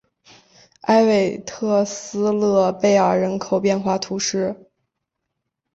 埃韦特萨勒贝尔人口变化图示